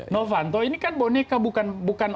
novanto ini kan boneka bukan